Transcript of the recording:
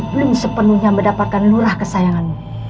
belum sepenuhnya mendapatkan lurah kesayanganmu